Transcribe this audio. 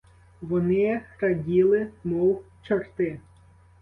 Вони раділи, мов чорти.